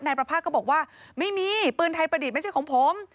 ประพาทก็บอกว่าไม่มีปืนไทยประดิษฐ์ไม่ใช่ของผม